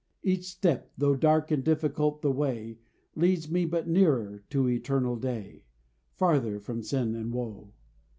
Each step, though dark and difficult the way, Leads me but nearer to eternal day Farther from sin and woe.